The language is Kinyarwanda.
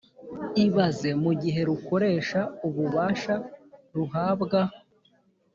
ibanze mu gihe rukoresha ububasha ruhabwa